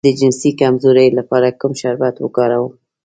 د جنسي کمزوری لپاره کوم شربت وکاروم؟